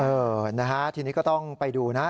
เออนะฮะทีนี้ก็ต้องไปดูนะ